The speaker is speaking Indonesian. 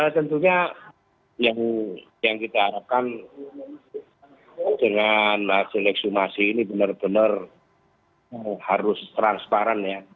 tentunya yang kita harapkan dengan hasil ekshumasi ini benar benar harus transparan ya